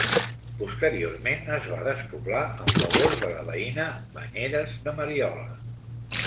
Posteriorment, es va despoblar en favor de la veïna Banyeres de Mariola.